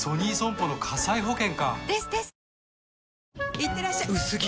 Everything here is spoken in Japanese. いってらっしゃ薄着！